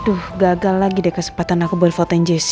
duh gagal lagi deh kesempatan aku buat fotonya jessy